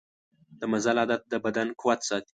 د مزل عادت د بدن قوت ساتي.